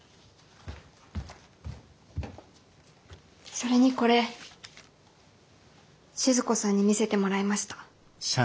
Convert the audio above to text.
それにこれ静子さんに見せてもらいました。